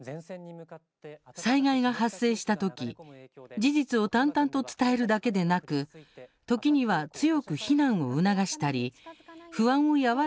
災害が発生したとき事実を淡々と伝えるだけでなく時には強く避難を促したり不安を和らげる